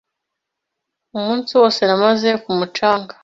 Umunsi wose namaze ku mucanga.